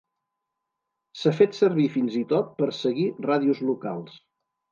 S'ha fet servir fins i tot per seguir ràdios locals.